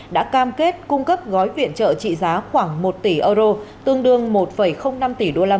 đã cam kết cung cấp gói viện trợ trị giá khoảng một tỷ euro tương đương một năm tỷ usd